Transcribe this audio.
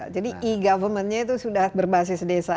jadi e government nya itu sudah berbasis desa